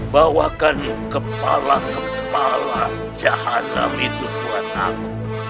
bawahkan kepala kepala jahat namun itu suara aku